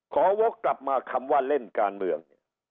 วกกลับมาคำว่าเล่นการเมือง